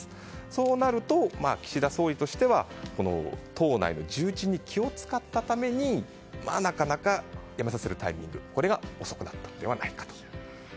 そうなると、岸田総理としてはこの党内の重鎮に気を使ったために辞めさせるタイミングこれが遅くなったのではないかと。